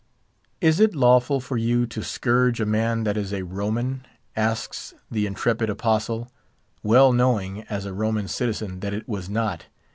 Is it lawful for you to scourge a man that is a Roman? asks the intrepid Apostle, well knowing, as a Roman citizen, that it was not.